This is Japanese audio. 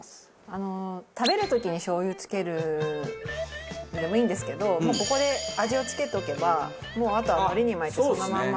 あの食べる時にしょう油つけるのでもいいんですけどもうここで味を付けておけばもうあとはのりに巻いてそのまんまパクッといける。